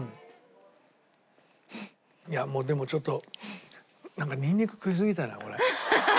いやもうでもちょっとニンニク食いすぎたねこれ。